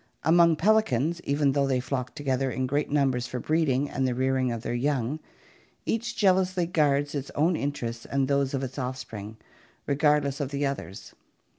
Among pelicans, even though they flock together in great num bers for breeding and the rearing of their young, each jealously guards its own interests and those of its offspring, regardless of the others.